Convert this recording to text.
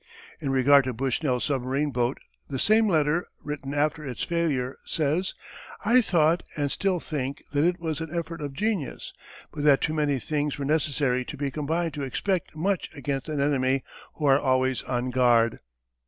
In regard to Bushnell's submarine boat the same letter, written after its failure, says: "I thought and still think that it was an effort of genius, but that too many things were necessary to be combined to expect much against an enemy who are always on guard."